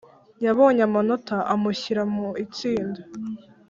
yabonye amanota amushyira mu itsinda